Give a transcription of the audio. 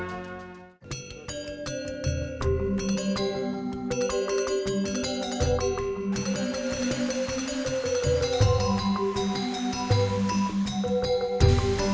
masuk bisnis bersih chuan vicara berikutnya